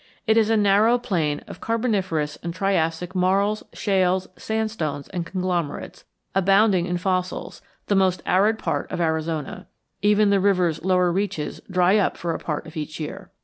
It is a narrow plain of Carboniferous and Triassic marls, shales, sandstones, and conglomerates, abounding in fossils, the most arid part of Arizona; even the river's lower reaches dry up for a part of each year.